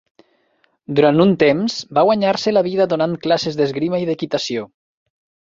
Durant un temps, va guanyar-se la vida donant classes d'esgrima i d'equitació.